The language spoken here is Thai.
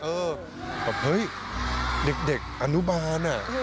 เออเฮ้ยเด็กอนุบาลน่ะ